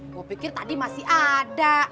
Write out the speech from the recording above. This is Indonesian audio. gue pikir tadi masih ada